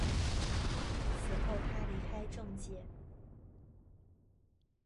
此后他离开政界。